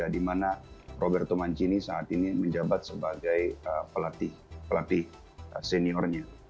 di mana robertu mancini saat ini menjabat sebagai pelatih seniornya